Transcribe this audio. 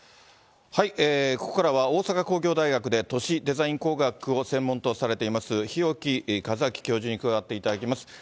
ここからは大阪工業大学で、都市デザイン工学を専門とされています日置和昭教授に加わっていただきます。